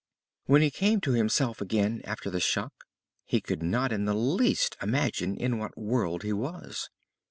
When he came to himself again after the shock he could not in the least imagine in what world he was.